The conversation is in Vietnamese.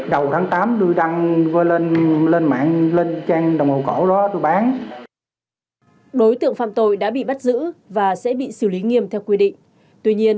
đối tượng phạm tội đã bị bắt giữ và sẽ bị xử lý nghiêm theo quy định tuy nhiên